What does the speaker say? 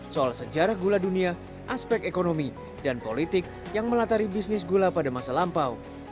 soal sejarah gula dunia aspek ekonomi dan politik yang melatari bisnis gula pada masa lampau